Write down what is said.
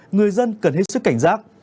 người dân cần hết sức cảnh giác